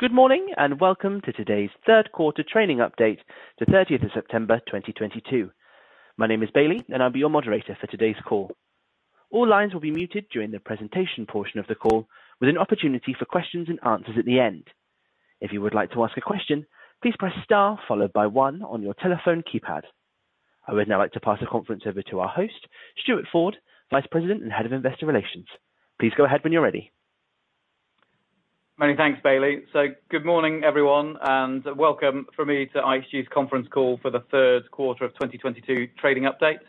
Good morning, and welcome to today's Third Quarter Trading Update as of the third of September 2022. My name is Bailey, and I'll be your moderator for today's call. All lines will be muted during the presentation portion of the call, with an opportunity for questions and answers at the end. If you would like to ask a question, please press star followed by one on your telephone keypad. I would now like to pass the conference over to our host, Stuart Ford, Vice President and Head of Investor Relations. Please go ahead when you're ready. Many thanks, Bailey. Good morning, everyone, and welcome from me to IHG's Conference Call For The Third Quarter of 2022 Trading Update.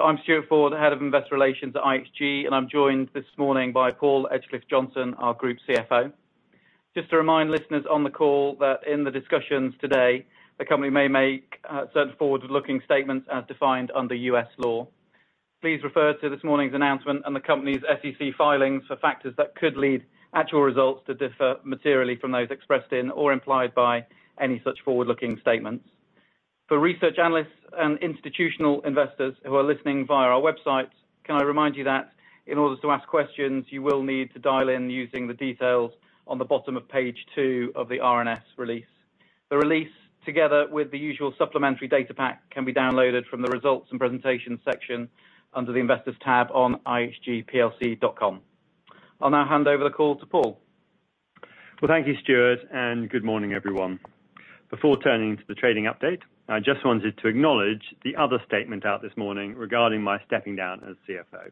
I'm Stuart Ford, Head of Investor Relations at IHG, and I'm joined this morning by Paul Edgecliffe-Johnson, our Group CFO. Just to remind listeners on the call that in the discussions today, the company may make certain forward-looking statements as defined under U.S. law. Please refer to this morning's announcement and the company's SEC filings for factors that could lead actual results to differ materially from those expressed in or implied by any such forward-looking statements. For research analysts and institutional investors who are listening via our website, can I remind you that in order to ask questions, you will need to dial in using the details on the bottom of page two of the RNS release. The release, together with the usual supplementary data pack, can be downloaded from the Results and Presentation section under the Investors tab on ihgplc.com. I'll now hand over the call to Paul. Well, thank you, Stuart, and good morning, everyone. Before turning to the trading update, I just wanted to acknowledge the other statement out this morning regarding my stepping down as CFO.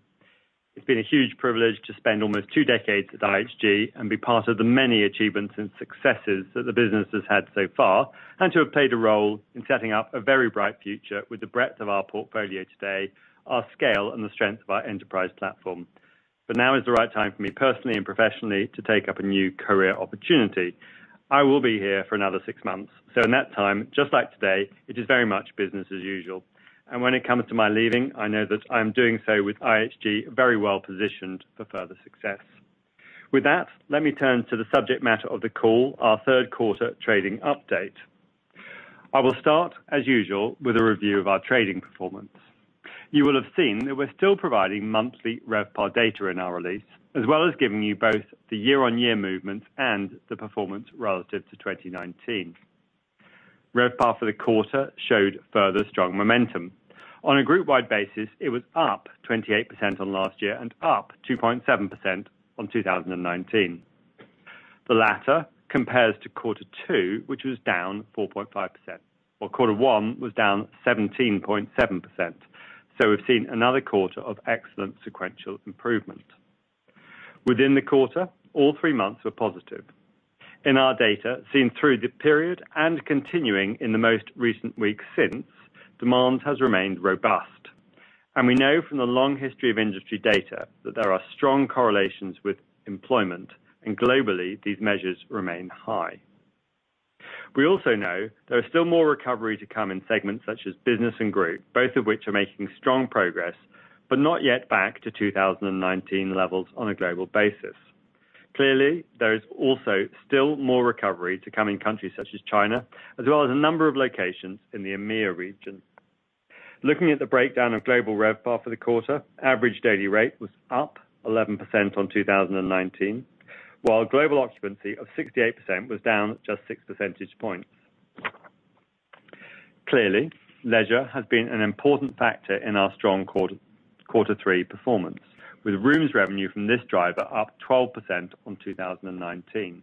It's been a huge privilege to spend almost two decades at IHG and be part of the many achievements and successes that the business has had so far, and to have played a role in setting up a very bright future with the breadth of our portfolio today, our scale, and the strength of our enterprise platform. Now is the right time for me personally and professionally to take up a new career opportunity. I will be here for another six months, so in that time, just like today, it is very much business as usual. When it comes to my leaving, I know that I'm doing so with IHG very well-positioned for further success. With that, let me turn to the subject matter of the call, our third quarter trading update. I will start, as usual, with a review of our trading performance. You will have seen that we're still providing monthly RevPAR data in our release, as well as giving you both the year-on-year movement and the performance relative to 2019. RevPAR for the quarter showed further strong momentum. On a group-wide basis, it was up 28% on last year and up 2.7% on 2019. The latter compares to quarter two, which was down 4.5%, while quarter one was down 17.7%. We've seen another quarter of excellent sequential improvement. Within the quarter, all three months were positive. In our data, seen through the period and continuing in the most recent weeks since, demand has remained robust. We know from the long history of industry data that there are strong correlations with employment, and globally, these measures remain high. We also know there are still more recovery to come in segments such as business and group, both of which are making strong progress, but not yet back to 2019 levels on a global basis. Clearly, there is also still more recovery to come in countries such as China, as well as a number of locations in the EMEAA region. Looking at the breakdown of global RevPAR for the quarter, average daily rate was up 11% on 2019, while global occupancy of 68% was down just 6 percentage points. Clearly, leisure has been an important factor in our strong quarter three performance, with rooms revenue from this driver up 12% on 2019.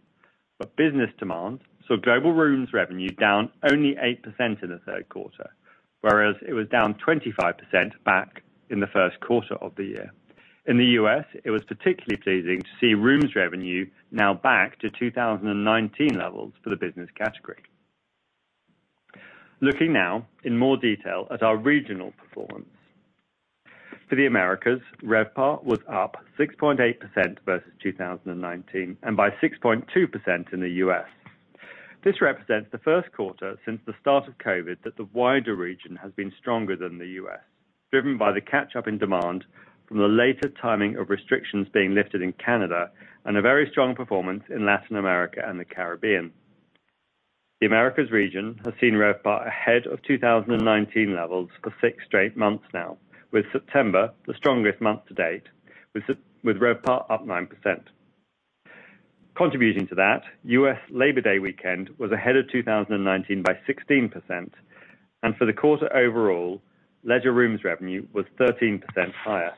Business demand saw global rooms revenue down only 8% in the third quarter, whereas it was down 25% back in the first quarter of the year. In the U.S., it was particularly pleasing to see rooms revenue now back to 2019 levels for the business category. Looking now in more detail at our regional performance. For the Americas, RevPAR was up 6.8% versus 2019, and by 6.2% in the U.S. This represents the first quarter since the start of COVID that the wider region has been stronger than the U.S., driven by the catch-up in demand from the later timing of restrictions being lifted in Canada and a very strong performance in Latin America and the Caribbean. The Americas region has seen RevPAR ahead of 2019 levels for 6 straight months now, with September the strongest month to date, with RevPAR up 9%. Contributing to that, US Labor Day weekend was ahead of 2019 by 16%, and for the quarter overall, leisure rooms revenue was 13% higher.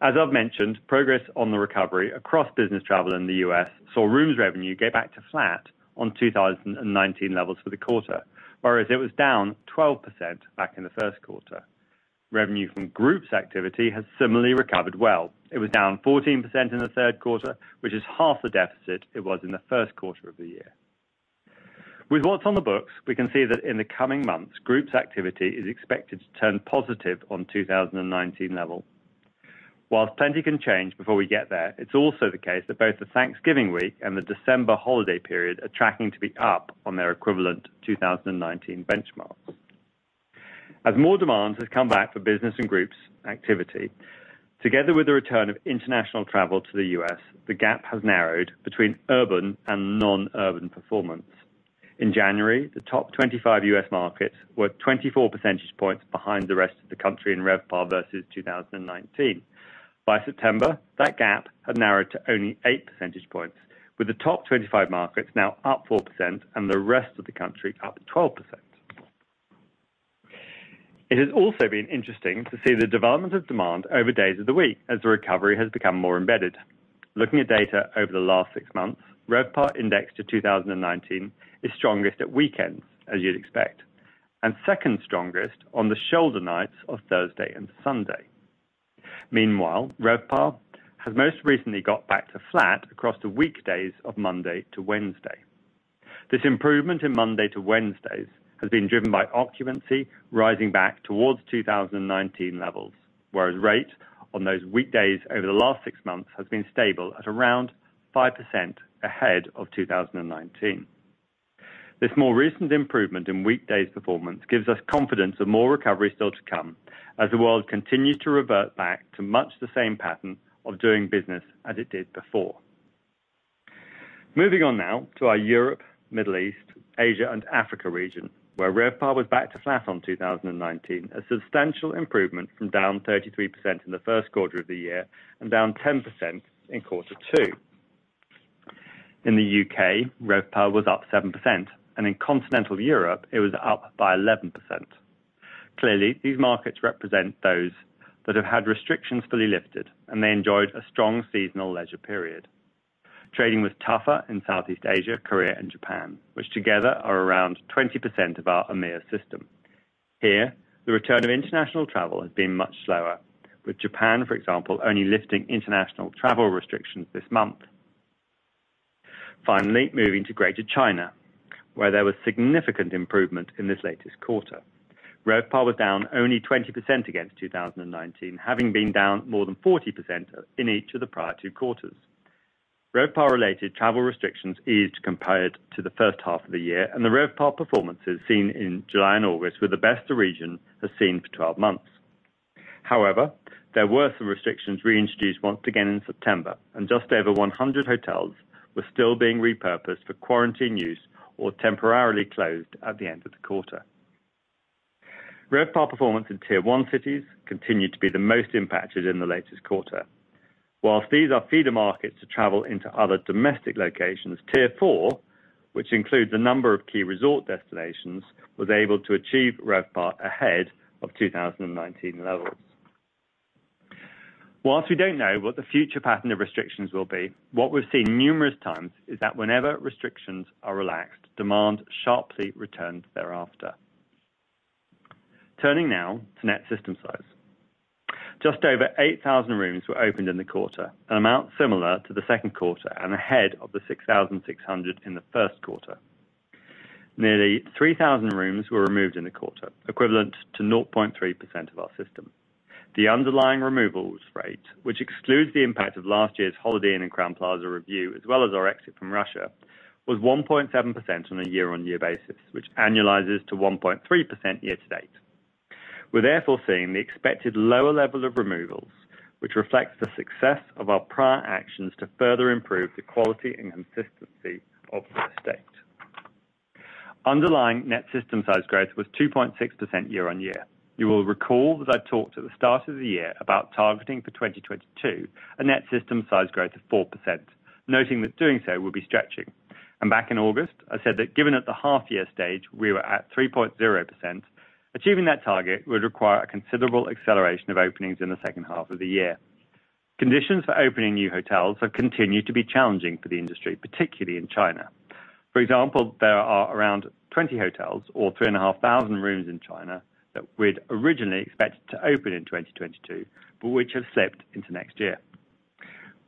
As I've mentioned, progress on the recovery across business travel in the US saw rooms revenue go back to flat on 2019 levels for the quarter, whereas it was down 12% back in the first quarter. Revenue from groups activity has similarly recovered well. It was down 14% in the third quarter, which is half the deficit it was in the first quarter of the year. With what's on the books, we can see that in the coming months, groups activity is expected to turn positive on 2019 level. While plenty can change before we get there, it's also the case that both the Thanksgiving week and the December holiday period are tracking to be up on their equivalent 2019 benchmarks. As more demands have come back for business and groups activity, together with the return of international travel to the U.S., the gap has narrowed between urban and non-urban performance. In January, the top 25 U.S. markets were 24 percentage points behind the rest of the country in RevPAR versus 2019. By September, that gap had narrowed to only eight percentage points, with the top 25 markets now up 4% and the rest of the country up 12%. It has also been interesting to see the development of demand over days of the week as the recovery has become more embedded. Looking at data over the last six months, RevPAR indexed to 2019 is strongest at weekends, as you'd expect, and second strongest on the shoulder nights of Thursday and Sunday. Meanwhile, RevPAR has most recently got back to flat across the weekdays of Monday to Wednesday. This improvement in Monday to Wednesdays has been driven by occupancy rising back towards 2019 levels, whereas rates on those weekdays over the last six months has been stable at around 5% ahead of 2019. This more recent improvement in weekdays performance gives us confidence of more recovery still to come as the world continues to revert back to much the same pattern of doing business as it did before. Moving on now to our Europe, Middle East, Asia, and Africa region, where RevPAR was back to flat on 2019, a substantial improvement from down 33% in the first quarter of the year and down 10% in quarter two. In the U.K., RevPAR was up 7%, and in continental Europe, it was up by 11%. Clearly, these markets represent those that have had restrictions fully lifted, and they enjoyed a strong seasonal leisure period. Trading was tougher in Southeast Asia, Korea, and Japan, which together are around 20% of our EMEAA system. Here, the return of international travel has been much slower, with Japan, for example, only lifting international travel restrictions this month. Finally, moving to Greater China, where there was significant improvement in this latest quarter. RevPAR was down only 20% against 2019, having been down more than 40% in each of the prior two quarters. RevPAR-related travel restrictions eased compared to the first half of the year, and the RevPAR performances seen in July and August were the best the region has seen for 12 months. However, there were some restrictions reintroduced once again in September, and just over 100 hotels were still being repurposed for quarantine use or temporarily closed at the end of the quarter. RevPAR performance in Tier One cities continued to be the most impacted in the latest quarter. While these are feeder markets to travel into other domestic locations, Tier Four, which includes a number of key resort destinations, was able to achieve RevPAR ahead of 2019 levels. While we don't know what the future pattern of restrictions will be, what we've seen numerous times is that whenever restrictions are relaxed, demand sharply returns thereafter. Turning now to net system size. Just over 8,000 rooms were opened in the quarter, an amount similar to the second quarter and ahead of the 6,600 in the first quarter. Nearly 3,000 rooms were removed in the quarter, equivalent to 0.3% of our system. The underlying removals rate, which excludes the impact of last year's Holiday Inn and Crowne Plaza review, as well as our exit from Russia, was 1.7% on a year-on-year basis, which annualizes to 1.3% year-to-date. We're therefore seeing the expected lower level of removals, which reflects the success of our prior actions to further improve the quality and consistency of the estate. Underlying net system size growth was 2.6% year-on-year. You will recall that I talked at the start of the year about targeting for 2022 a net system size growth of 4%, noting that doing so would be stretching. Back in August, I said that given at the half-year stage, we were at 3.0%. Achieving that target would require a considerable acceleration of openings in the second half of the year. Conditions for opening new hotels have continued to be challenging for the industry, particularly in China. For example, there are around 20 hotels or 3,500 rooms in China that we'd originally expected to open in 2022, but which have slipped into next year.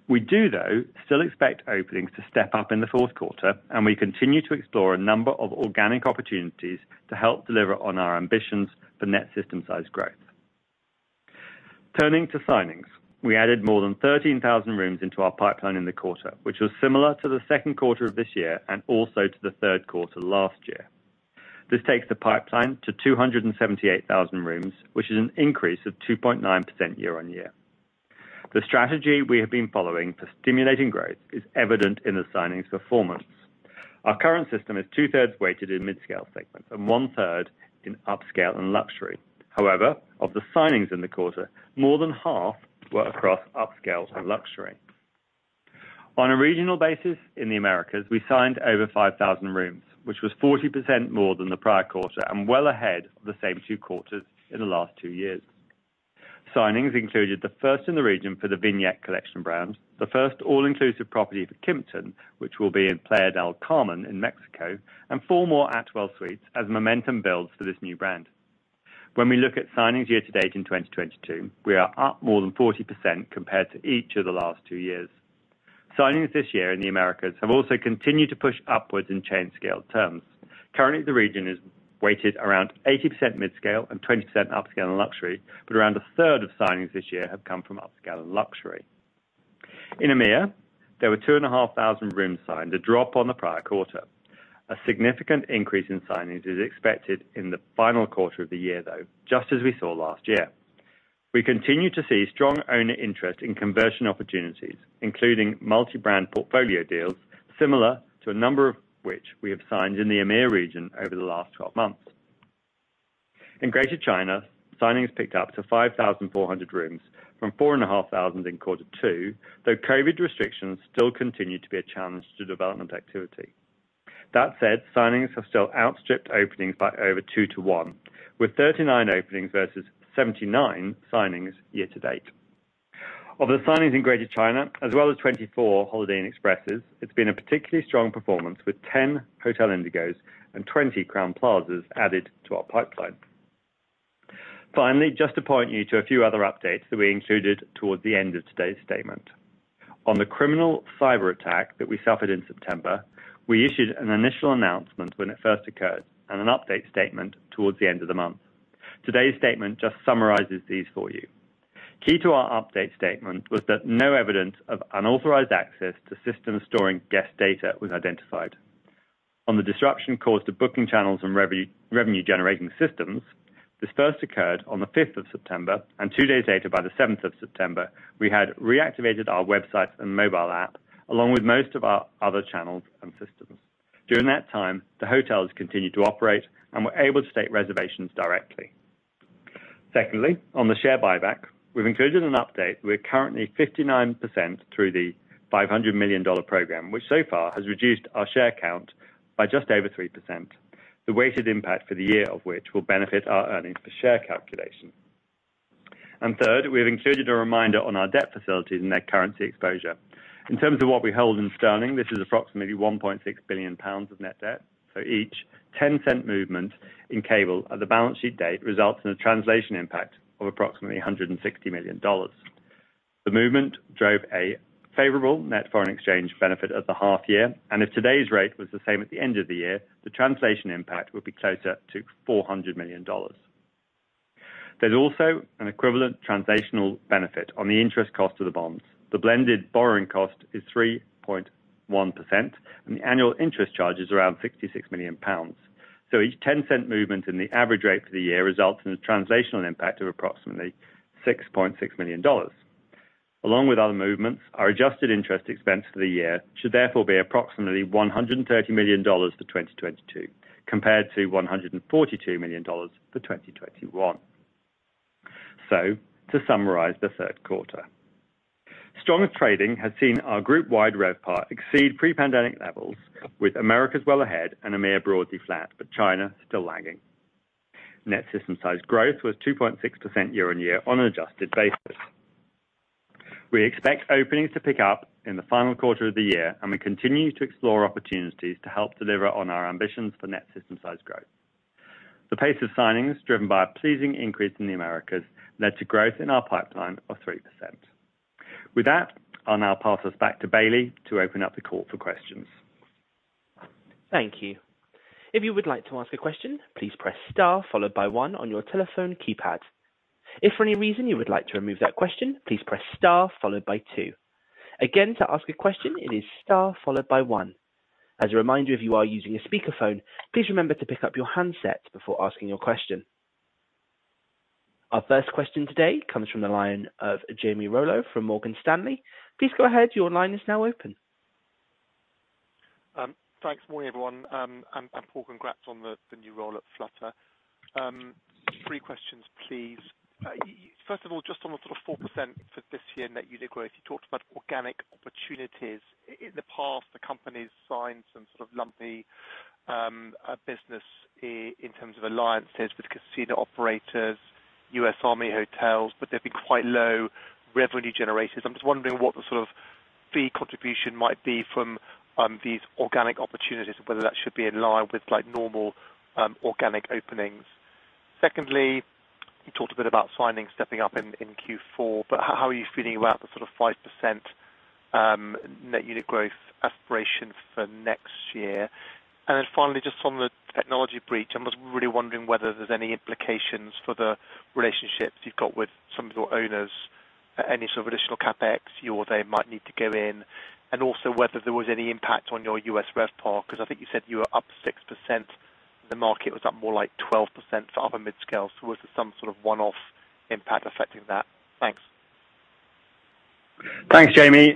We do, though, still expect openings to step up in the fourth quarter, and we continue to explore a number of organic opportunities to help deliver on our ambitions for net system size growth. Turning to signings. We added more than 13,000 rooms into our pipeline in the quarter, which was similar to the second quarter of this year and also to the third quarter last year. This takes the pipeline to 278,000 rooms, which is an increase of 2.9% year-over-year. The strategy we have been following for stimulating growth is evident in the signings performance. Our current system is 2/3 weighted in mid-scale segments and 1/3 in upscale and luxury. However, of the signings in the quarter, more than half were across upscale and luxury. On a regional basis in the Americas, we signed over 5,000 rooms, which was 40% more than the prior quarter and well ahead of the same two quarters in the last two years. Signings included the first in the region for the Vignette Collection brand, the first all-inclusive property for Kimpton, which will be in Playa del Carmen in Mexico, and 4 more Atwell Suites as momentum builds for this new brand. When we look at signings year to date in 2022, we are up more than 40% compared to each of the last two years. Signings this year in the Americas have also continued to push upwards in chain scale terms. Currently, the region is weighted around 80% midscale and 20% upscale and luxury, but around a third of signings this year have come from upscale and luxury. In EMEA, there were 2,500 rooms signed, a drop on the prior quarter. A significant increase in signings is expected in the final quarter of the year, though just as we saw last year. We continue to see strong owner interest in conversion opportunities, including multi-brand portfolio deals, similar to a number of which we have signed in the Americas region over the last 12 months. In Greater China, signings picked up to 5,400 rooms from 4,500 in quarter two, though COVID restrictions still continue to be a challenge to development activity. That said, signings have still outstripped openings by over 2 to 1, with 39 openings versus 79 signings year to date. Of the signings in Greater China, as well as 24 Holiday Inn Expresses, it's been a particularly strong performance with 10 Hotel Indigos and 20 Crowne Plazas added to our pipeline. Finally, just to point you to a few other updates that we included towards the end of today's statement. On the criminal cyberattack that we suffered in September, we issued an initial announcement when it first occurred and an update statement towards the end of the month. Today's statement just summarizes these for you. Key to our update statement was that no evidence of unauthorized access to systems storing guest data was identified. On the disruption caused to booking channels and revenue generating systems, this first occurred on the fifth of September, and two days later, by the seventh of September, we had reactivated our website and mobile app, along with most of our other channels and systems. During that time, the hotels continued to operate and were able to take reservations directly. Secondly, on the share buyback, we've included an update. We're currently 59% through the $500 million program, which so far has reduced our share count by just over 3%, the weighted impact for the year of which will benefit our earnings per share calculation. Third, we have included a reminder on our debt facilities and net currency exposure. In terms of what we hold in sterling, this is approximately 1.6 billion pounds of net debt, for each 10 cent movement in cable at the balance sheet date results in a translation impact of approximately $160 million. The movement drove a favorable net foreign exchange benefit at the half year, and if today's rate was the same at the end of the year, the translation impact would be closer to $400 million. There's also an equivalent translation benefit on the interest cost of the bonds. The blended borrowing cost is 3.1%, and the annual interest charge is around 66 million pounds. Each 10-cent movement in the average rate for the year results in a translation impact of approximately $6.6 million. Along with other movements, our adjusted interest expense for the year should therefore be approximately $130 million for 2022, compared to $142 million for 2021. To summarize the third quarter. Stronger trading has seen our group-wide RevPAR exceed pre-pandemic levels with Americas well ahead and EMEAA broadly flat, but China still lagging. Net system size growth was 2.6% year-on-year on an adjusted basis. We expect openings to pick up in the final quarter of the year, and we continue to explore opportunities to help deliver on our ambitions for net system size growth. The pace of signings driven by a pleasing increase in the Americas led to growth in our pipeline of 3%. With that, I'll now pass us back to Bailey to open up the call for questions. Thank you. If you would like to ask a question, please press star followed by one on your telephone keypad. If for any reason you would like to remove that question, please press star followed by two. Again, to ask a question, it is star followed by one. As a reminder, if you are using a speaker phone, please remember to pick up your handset before asking your question. Our first question today comes from the line of Jamie Rollo from Morgan Stanley. Please go ahead. Your line is now open. Thanks. Morning, everyone. Paul, congrats on the new role at Flutter. Three questions, please. First of all, just on the sort of 4% for this year net unit growth, you talked about organic opportunities. In the past, the company's signed some sort of lumpy business in terms of alliances with casino operators, U.S. Army hotels, but they've been quite low revenue generators. I'm just wondering what the sort of fee contribution might be from these organic opportunities, whether that should be in line with, like, normal organic openings. Secondly, you talked a bit about signings stepping up in Q4, but how are you feeling about the sort of 5% net unit growth aspiration for next year? Finally, just on the technology breach, I'm just really wondering whether there's any implications for the relationships you've got with some of your owners, any sort of additional CapEx you or they might need to go in, and also whether there was any impact on your U.S. RevPAR, 'cause I think you said you were up 6%. The market was up more like 12% for other midscales. Was there some sort of one-off impact affecting that? Thanks. Thanks, Jamie.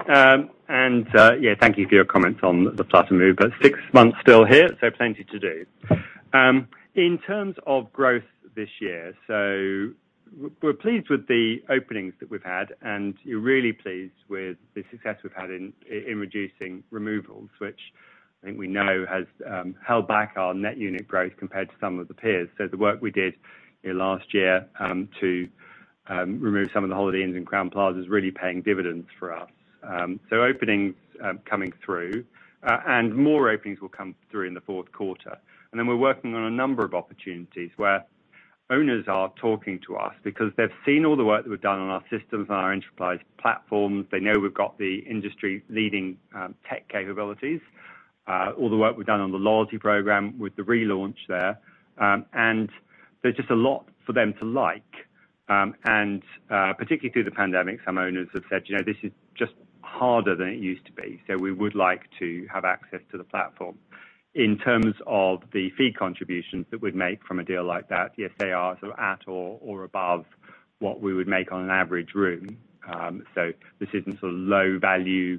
Thank you for your comments on the Flutter move. Six months still here, so plenty to do. In terms of growth this year, we're pleased with the openings that we've had, and we're really pleased with the success we've had in reducing removals, which I think we know has held back our net unit growth compared to some of the peers. The work we did, you know, last year, to remove some of the Holiday Inns and Crowne Plazas is really paying dividends for us. Openings coming through, and more openings will come through in the fourth quarter. Then we're working on a number of opportunities where owners are talking to us because they've seen all the work that we've done on our systems and our enterprise platforms. They know we've got the industry-leading tech capabilities, all the work we've done on the loyalty program with the relaunch there. There's just a lot for them to like, and particularly through the pandemic, some owners have said. You know, this is just harder than it used to be, so we would like to have access to the platform. In terms of the fee contributions that we make from a deal like that, yes, they are sort of at or above what we would make on an average room. This isn't a low value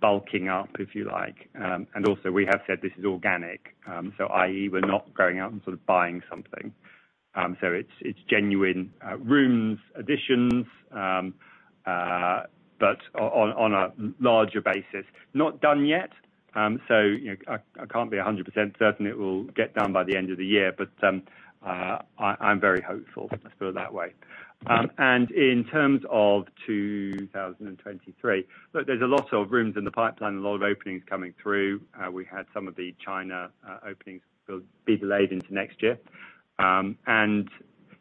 bulking up, if you like. We have said this is organic, so i.e., we're not going out and sort of buying something. It's genuine rooms additions, but on a larger basis. Not done yet. You know, I can't be 100% certain it will get done by the end of the year, but I'm very hopeful. Let's put it that way. In terms of 2023, look, there's a lot of rooms in the pipeline, a lot of openings coming through. We have some of the China openings will be delayed into next year.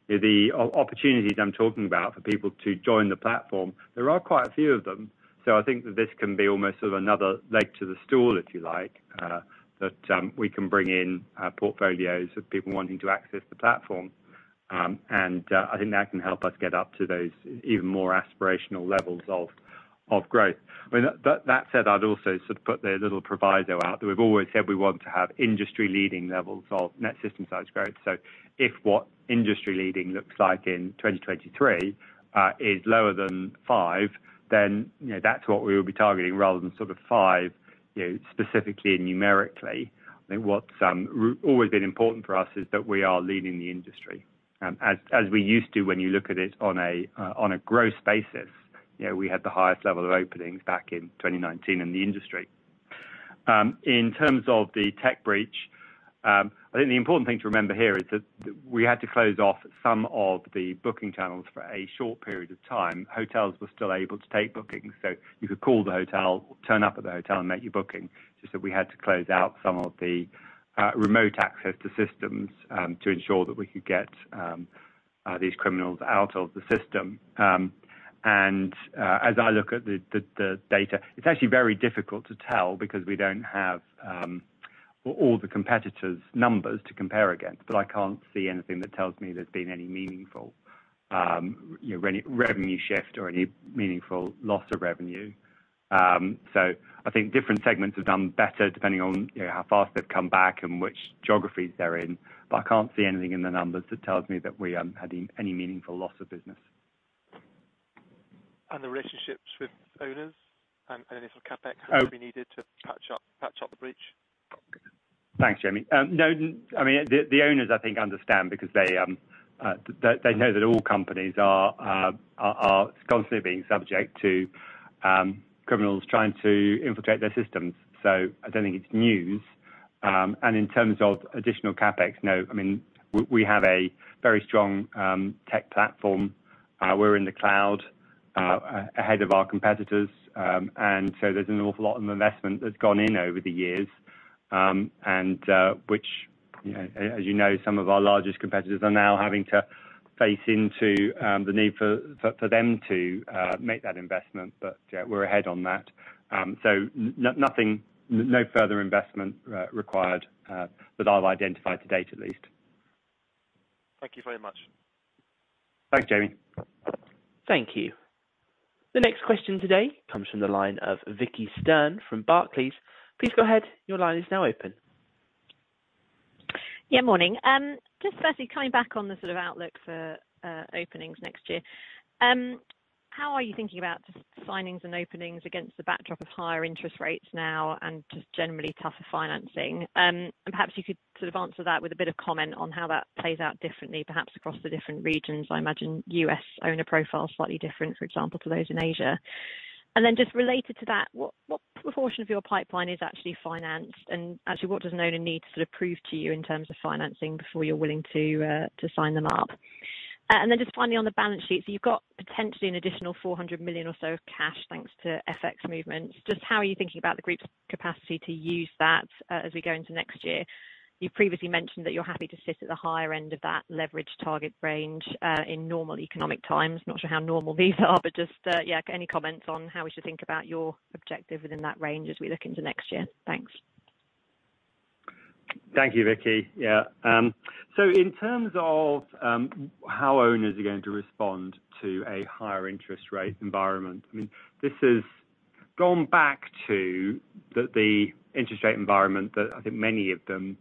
The opportunities I'm talking about for people to join the platform, there are quite a few of them. I think that this can be almost sort of another leg to the stool, if you like, that we can bring in portfolios of people wanting to access the platform. I think that can help us get up to those even more aspirational levels of growth. I mean, that said, I'd also sort of put the little proviso out there. We've always said we want to have industry-leading levels of net system-size growth. If what industry-leading looks like in 2023 is lower than 5%, then, you know, that's what we will be targeting rather than sort of 5%, you know, specifically and numerically. I think what's always been important for us is that we are leading the industry as we used to when you look at it on a growth basis. You know, we had the highest level of openings back in 2019 in the industry. In terms of the tech breach, I think the important thing to remember here is that we had to close off some of the booking channels for a short period of time. Hotels were still able to take bookings, so you could call the hotel, turn up at the hotel and make your booking. It's just that we had to close out some of the remote access to systems to ensure that we could get these criminals out of the system. As I look at the data, it's actually very difficult to tell because we don't have all the competitors' numbers to compare against. I can't see anything that tells me there's been any meaningful revenue shift or any meaningful loss of revenue. I think different segments have done better depending on you know how fast they've come back and which geographies they're in. I can't see anything in the numbers that tells me that we had any meaningful loss of business. The relationships with owners, and any sort of CapEx. Oh- Have we needed to patch up the breach? Thanks, Jamie. No, I mean, the owners, I think understand because they know that all companies are constantly being subject to criminals trying to infiltrate their systems. So I don't think it's news. In terms of additional CapEx, no. I mean, we have a very strong tech platform. We're in the cloud ahead of our competitors. There's an awful lot of investment that's gone in over the years. Which, you know, as you know, some of our largest competitors are now having to face into the need for them to make that investment. Yeah, we're ahead on that. No further investment required that I've identified to date at least. Thank you very much. Thanks, Jamie. Thank you. The next question today comes from the line of Vicki Stern from Barclays. Please go ahead. Your line is now open. Morning. Just firstly, coming back on the sort of outlook for openings next year. How are you thinking about just signings and openings against the backdrop of higher interest rates now and just generally tougher financing? Perhaps you could sort of answer that with a bit of comment on how that plays out differently, perhaps across the different regions. I imagine U.S. owner profile is slightly different, for example, to those in Asia. Just related to that, what proportion of your pipeline is actually financed? Actually, what does an owner need to sort of prove to you in terms of financing before you're willing to sign them up? Just finally on the balance sheet. You've got potentially an additional $400 million or so of cash, thanks to FX movements. How are you thinking about the group's capacity to use that as we go into next year? You previously mentioned that you're happy to sit at the higher end of that leverage target range in normal economic times. Not sure how normal these are, but just yeah, any comments on how we should think about your objective within that range as we look into next year? Thanks. Thank you, Vicki. Yeah. In terms of how owners are going to respond to a higher interest rate environment, I mean, this has gone back to the interest rate environment that I think many of them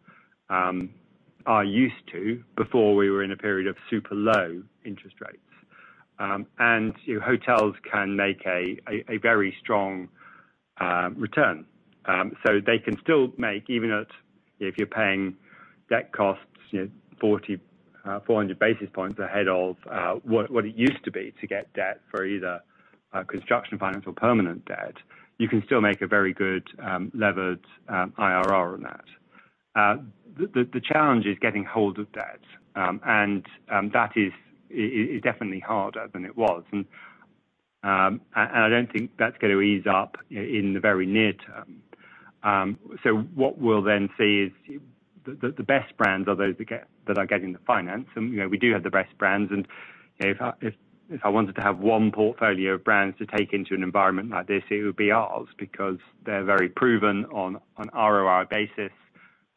are used to before we were in a period of super low interest rates. You know, hotels can make a very strong return. They can still make even if you're paying debt costs, you know, 400 basis points ahead of what it used to be to get debt for either construction, finance, or permanent debt, you can still make a very good levered IRR on that. The challenge is getting hold of debt. That is definitely harder than it was. I don't think that's gonna ease up in the very near term. What we'll then see is the best brands are those that are getting the finance and, you know, we do have the best brands. You know, if I wanted to have one portfolio of brands to take into an environment like this, it would be ours because they're very proven on ROI basis.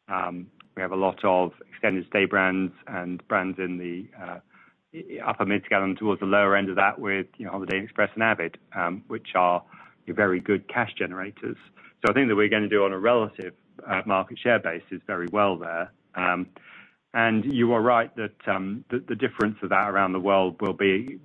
We have a lot of extended stay brands and brands in the upper mid-scale and towards the lower end of that with, you know, Holiday Inn Express and Avid, which are your very good cash generators. I think that we're gonna do on a relative market share basis very well there. You are right that the difference of that around the world will be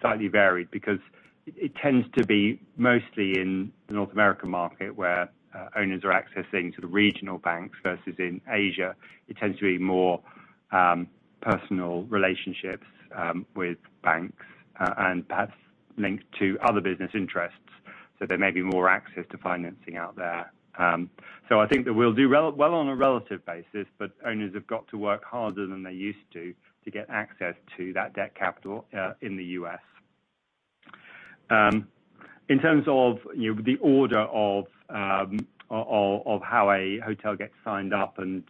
slightly varied because it tends to be mostly in the North American market where owners are accessing to the regional banks versus in Asia, it tends to be more personal relationships with banks and perhaps linked to other business interests. There may be more access to financing out there. I think that we'll do relatively well on a relative basis, but owners have got to work harder than they used to to get access to that debt capital in the U.S. In terms of, you know, the order of how a hotel gets signed up and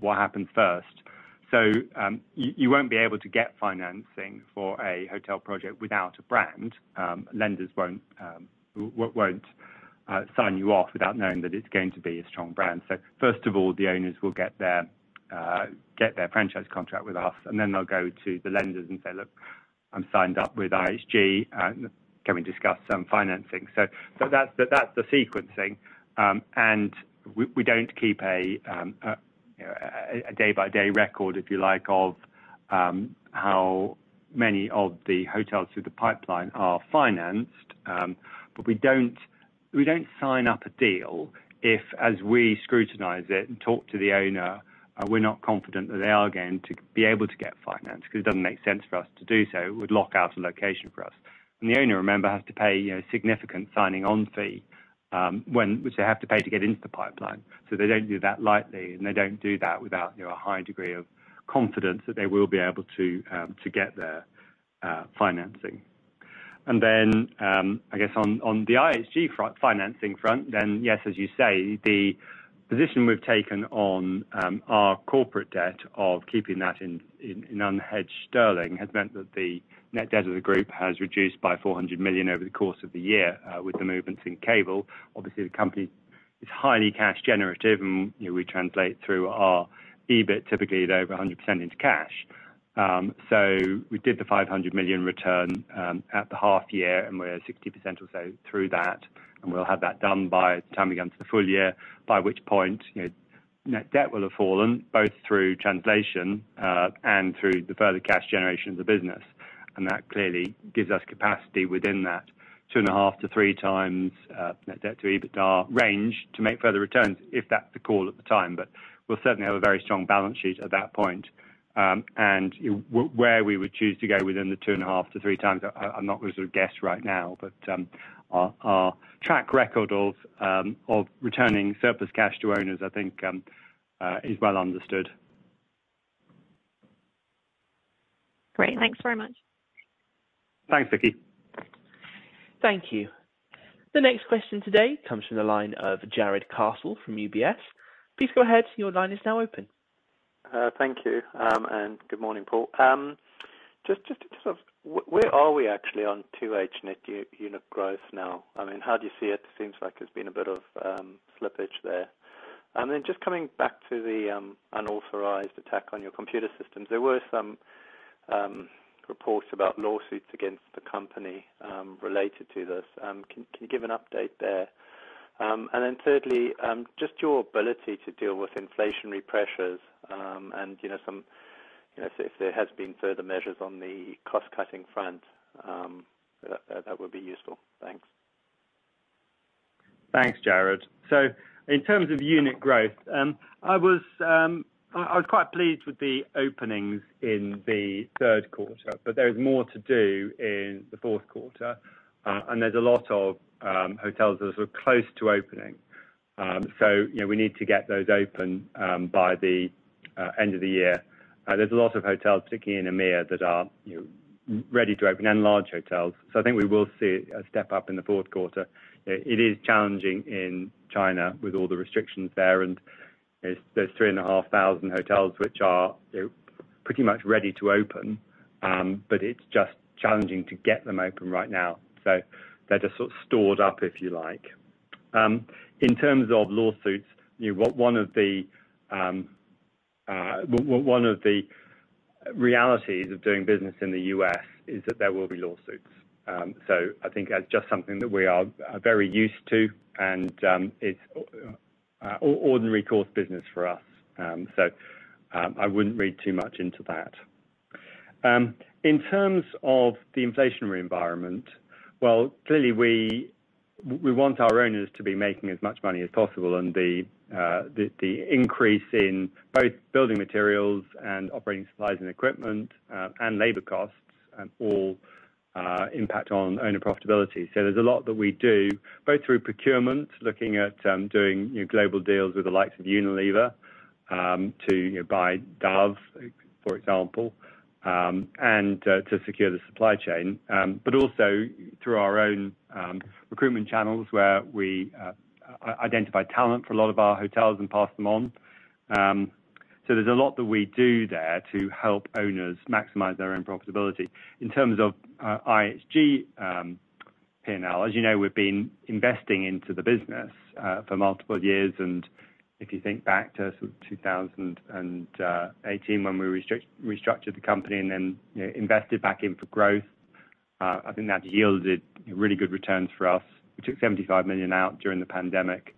what happens first. You won't be able to get financing for a hotel project without a brand. Lenders won't sign you off without knowing that it's going to be a strong brand. First of all, the owners will get their franchise contract with us, and then they'll go to the lenders and say, Look, I'm signed up with IHG. Can we discuss some financing? That's the sequencing. We don't keep, you know, a day-by-day record, if you like, of how many of the hotels through the pipeline are financed. We don't sign up a deal if, as we scrutinize it and talk to the owner, we're not confident that they are going to be able to get financed because it doesn't make sense for us to do so. It would lock out a location for us. The owner, remember, has to pay, you know, significant signing on fee, which they have to pay to get into the pipeline. So they don't do that lightly, and they don't do that without, you know, a high degree of confidence that they will be able to to get their financing. I guess on the IHG financing front, yes, as you say, the position we've taken on our corporate debt of keeping that in unhedged sterling has meant that the net debt of the group has reduced by 400 million over the course of the year, with the movements in cable. Obviously, the company is highly cash generative, and, you know, we translate through our EBIT typically at over 100% into cash. We did the 500 million return at the half year, and we're 60% or so through that, and we'll have that done by the time we get into the full year, by which point, you know, net debt will have fallen both through translation and through the further cash generation of the business. That clearly gives us capacity within that 2.5-3 times net debt to EBITDA range to make further returns if that's the call at the time. We'll certainly have a very strong balance sheet at that point. Where we would choose to go within the 2.5-3 times, I'm not gonna sort of guess right now, but our track record of returning surplus cash to owners, I think, is well understood. Great. Thanks very much. Thanks, Vicki. Thank you. The next question today comes from the line of Jarrod Castle from UBS. Please go ahead. Your line is now open. Thank you, and good morning, Paul. Just sort of where are we actually on 2H net unit growth now? I mean, how do you see it? Seems like there's been a bit of slippage there. Just coming back to the unauthorized attack on your computer systems. There were some reports about lawsuits against the company related to this. Can you give an update there? Thirdly, just your ability to deal with inflationary pressures, and you know, some you know if there has been further measures on the cost-cutting front, that would be useful. Thanks. Thanks, Jarrod. In terms of unit growth, I was quite pleased with the openings in the third quarter, but there is more to do in the fourth quarter, and there's a lot of hotels that are sort of close to opening. You know, we need to get those open by the end of the year. There's a lot of hotels, particularly in EMEA, that are ready to open and large hotels. I think we will see a step-up in the fourth quarter. It is challenging in China with all the restrictions there and there's 3,500 hotels which are, you know, pretty much ready to open. But it's just challenging to get them open right now. They're just sort of stored up, if you like. In terms of lawsuits, you know, one of the realities of doing business in the U.S. is that there will be lawsuits. I think that's just something that we are very used to and it's ordinary course business for us. I wouldn't read too much into that. In terms of the inflationary environment, well, clearly we want our owners to be making as much money as possible, and the increase in both building materials and operating supplies and equipment and labor costs all impact on owner profitability. There's a lot that we do, both through procurement, looking at doing, you know, global deals with the likes of Unilever to, you know, buy Dove, for example, and to secure the supply chain. also through our own recruitment channels, where we identify talent for a lot of our hotels and pass them on. There's a lot that we do there to help owners maximize their own profitability. In terms of IHG. As you know, we've been investing into the business for multiple years, and if you think back to sort of 2018 when we restructured the company and then, you know, invested back in for growth, I think that yielded really good returns for us. We took $75 million out during the pandemic,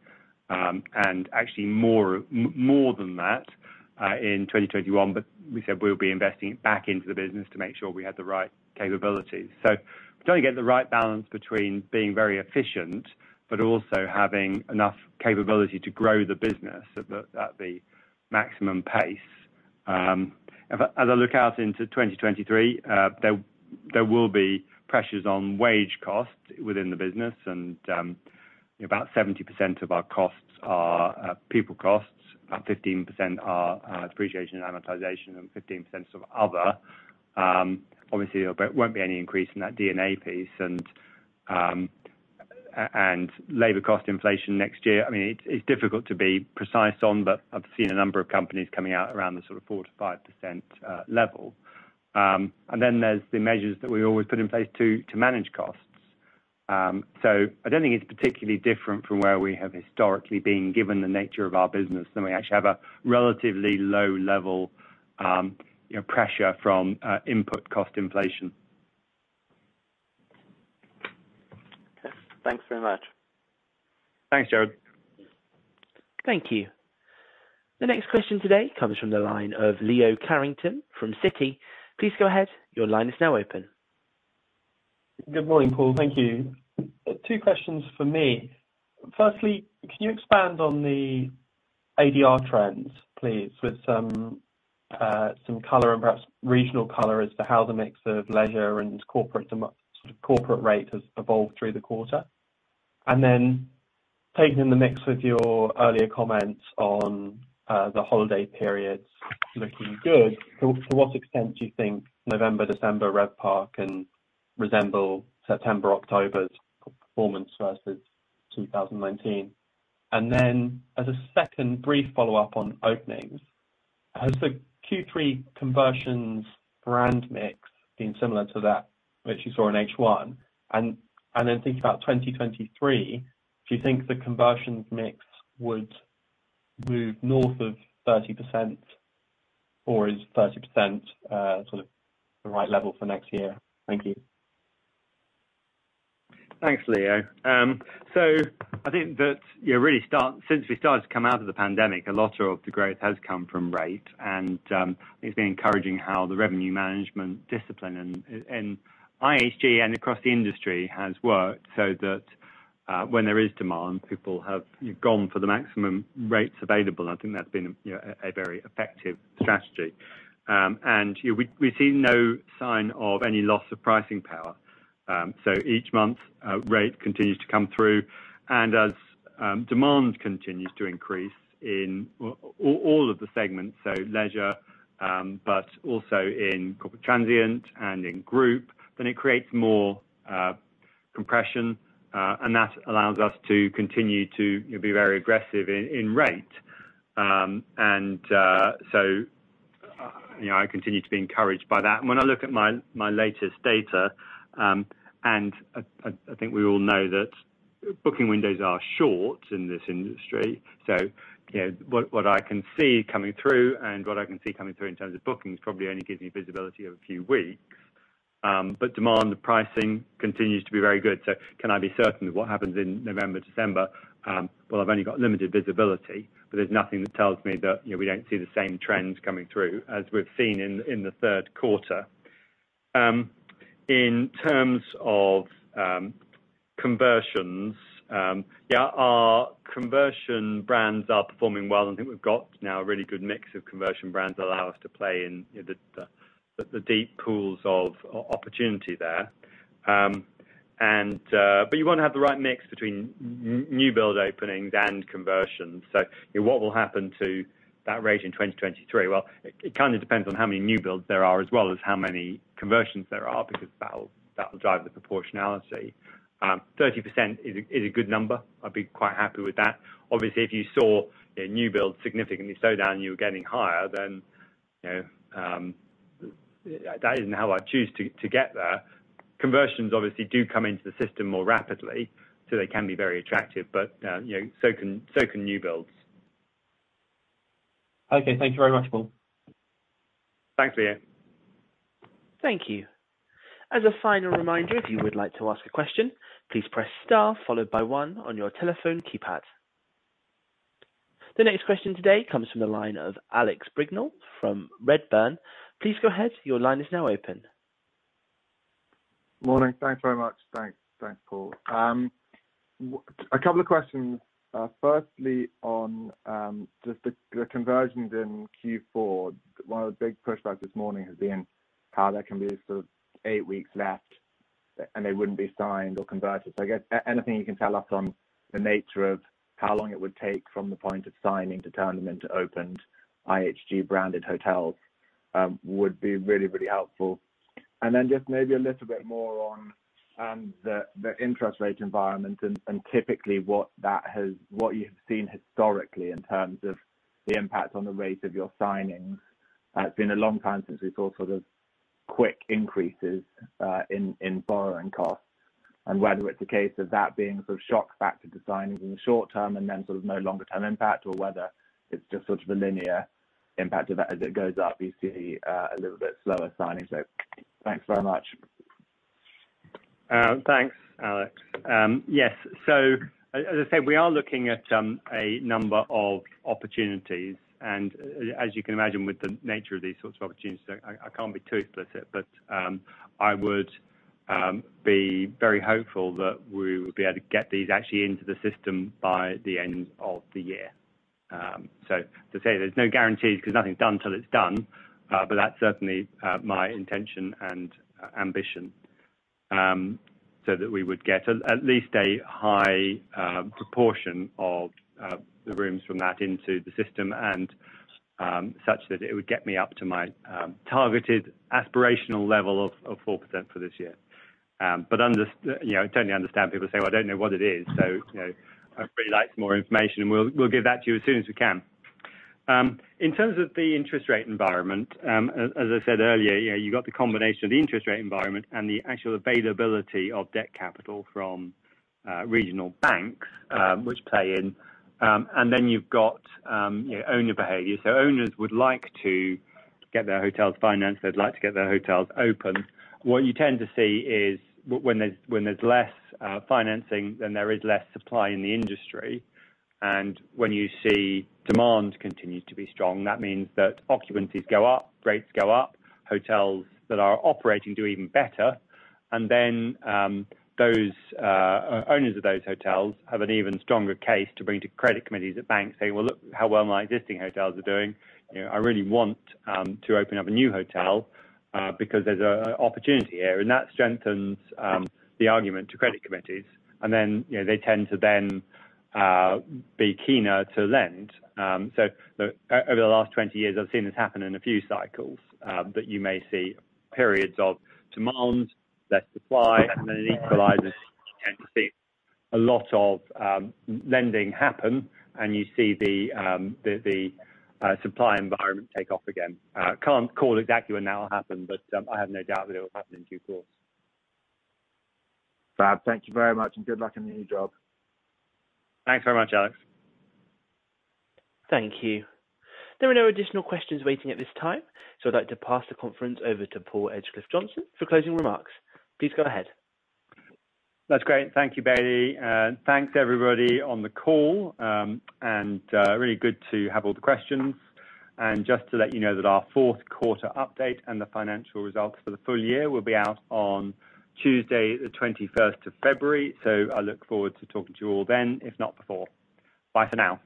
and actually more than that in 2021, but we said we'll be investing back into the business to make sure we had the right capabilities. We've got to get the right balance between being very efficient, but also having enough capability to grow the business at the maximum pace. As I look out into 2023, there will be pressures on wage costs within the business and about 70% of our costs are people costs, about 15% are depreciation and amortization, and 15% sort of other. Obviously, there won't be any increase in that D&A piece and labor cost inflation next year. I mean, it's difficult to be precise on, but I've seen a number of companies coming out around the sort of 4%-5% level. There's the measures that we always put in place to manage costs. I don't think it's particularly different from where we have historically been, given the nature of our business, and we actually have a relatively low level, you know, pressure from input cost inflation. Okay. Thanks very much. Thanks, Jarrod. Thank you. The next question today comes from the line of Leo Carrington from Citi. Please go ahead. Your line is now open. Good morning, Paul. Thank you. Two questions for me. Firstly, can you expand on the ADR trends, please, with some color and perhaps regional color as to how the mix of leisure and corporate demand, sort of corporate rate has evolved through the quarter? And then taking the mix of your earlier comments on, the holiday periods looking good, to what extent do you think November, December RevPAR can resemble September, October's performance versus 2019? And then as a second brief follow-up on openings, has the Q3 conversions brand mix been similar to that which you saw in H1? And then thinking about 2023, do you think the conversions mix would move north of 30%, or is 30%, sort of the right level for next year? Thank you. Thanks, Leo. I think that, you know, since we started to come out of the pandemic, a lot of the growth has come from rate. It's been encouraging how the revenue management discipline and IHG and across the industry has worked so that when there is demand, people have gone for the maximum rates available. I think that's been a very effective strategy. We've seen no sign of any loss of pricing power. Each month, rate continues to come through. As demand continues to increase in all of the segments, so leisure, but also in corporate transient and in group, then it creates more compression, and that allows us to continue to, you know, be very aggressive in rate. I continue to be encouraged by that. When I look at my latest data, and I think we all know that booking windows are short in this industry. You know, what I can see coming through in terms of bookings probably only gives me visibility of a few weeks, but demand pricing continues to be very good. Can I be certain of what happens in November, December? Well, I've only got limited visibility, but there's nothing that tells me that, you know, we don't see the same trends coming through as we've seen in the third quarter. In terms of conversions, yeah, our conversion brands are performing well, and I think we've got now a really good mix of conversion brands that allow us to play in, you know, the deep pools of opportunity there. But you want to have the right mix between new build openings and conversions. What will happen to that rate in 2023? Well, it kind of depends on how many new builds there are, as well as how many conversions there are, because that'll drive the proportionality. 30% is a good number. I'd be quite happy with that. Obviously, if you saw a new build significantly slow down, you were getting higher than, you know, that isn't how I choose to get there. Conversions obviously do come into the system more rapidly, so they can be very attractive. You know, so can new builds. Okay. Thank you very much, Paul. Thanks, Leo. Thank you. As a final reminder, if you would like to ask a question, please press star followed by one on your telephone keypad. The next question today comes from the line of Alex Brignall from Redburn. Please go ahead. Your line is now open. Morning. Thanks very much. Thanks, Paul. A couple of questions. Firstly, on just the conversions in Q4, one of the big pushbacks this morning has been how there can be sort of eight weeks left and they wouldn't be signed or converted. I guess anything you can tell us on the nature of how long it would take from the point of signing to turn them into opened IHG branded hotels would be really, really helpful. Just maybe a little bit more on the interest rate environment and typically what you have seen historically in terms of the impact on the rate of your signings. It's been a long time since we saw sort of quick increases in borrowing costs and whether it's a case of that being sort of shock factor to signings in the short term and then sort of no longer-term impact or whether it's just sort of a linear impact of that as it goes up, you see, a little bit slower signings. Thanks very much. Thanks, Alex. Yes. As I said, we are looking at a number of opportunities. As you can imagine with the nature of these sorts of opportunities, I can't be too explicit, but I would be very hopeful that we will be able to get these actually into the system by the end of the year. To say there's no guarantees cause nothing's done till it's done, but that's certainly my intention and ambition, so that we would get at least a high proportion of the rooms from that into the system and such that it would get me up to my targeted aspirational level of 4% for this year. You know, I totally understand people say, Well, I don't know what it is, so, you know, I'd really like some more information, and we'll give that to you as soon as we can. In terms of the interest rate environment, as I said earlier, you know, you've got the combination of the interest rate environment and the actual availability of debt capital from regional banks, which play in. Then you've got, you know, owner behavior. Owners would like to get their hotels financed. They'd like to get their hotels opened. What you tend to see is when there's less financing, then there is less supply in the industry. When you see demand continue to be strong, that means that occupancies go up, rates go up, hotels that are operating do even better. Those owners of those hotels have an even stronger case to bring to credit committees at banks saying, Well, look how well my existing hotels are doing. You know, I really want to open up a new hotel because there's an opportunity here, and that strengthens the argument to credit committees. You know, they tend to be keener to lend. Over the last 20 years, I've seen this happen in a few cycles, but you may see periods of demand, less supply, and then it equalizes. You tend to see a lot of lending happen, and you see the supply environment take off again. Can't call exactly when that will happen, but I have no doubt that it will happen in due course. Fab, thank you very much, and good luck in the new job. Thanks very much, Alex. Thank you. There are no additional questions waiting at this time, so I'd like to pass the conference over to Paul Edgecliffe-Johnson for closing remarks. Please go ahead. That's great. Thank you, Bailey. Thanks everybody on the call. Really good to have all the questions. Just to let you know that our fourth quarter update and the financial results for the full year will be out on Tuesday, the twenty-first of February. I look forward to talking to you all then, if not before. Bye for now.